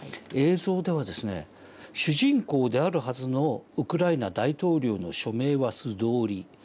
映像ではですね主人公であるはずのウクライナ大統領の署名は素通り